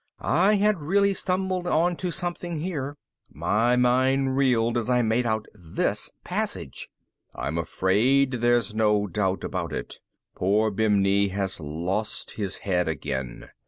I had really stumbled onto something here. My mind reeled as I made out this passage: _... I'm afraid there's no doubt about it. Poor Bibney has lost his head again.